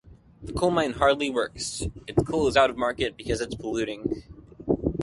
The coal mine hardly works: its coal is out of market because it's polluting.